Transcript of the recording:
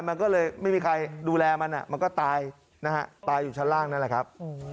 มันก็เลยไม่มีใครดูแลมันมันก็ตายนะฮะตายอยู่ชั้นล่างนั่นแหละครับ